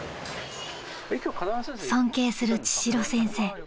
［尊敬する千代先生］